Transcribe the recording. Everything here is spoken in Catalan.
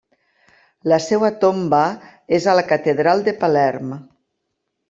La seua tomba és a la Catedral de Palerm.